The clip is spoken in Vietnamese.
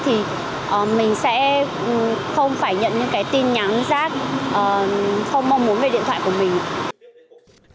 thì mình sẽ không phải nhận những tin nhắn giác không mong muốn về điện thoại của mình